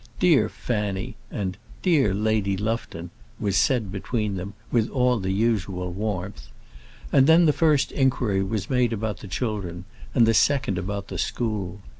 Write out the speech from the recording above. "Dear Fanny," and "Dear Lady Lufton," was said between them with all the usual warmth. And then the first inquiry was made about the children, and the second about the school.